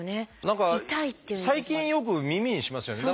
何か最近よく耳にしますよね。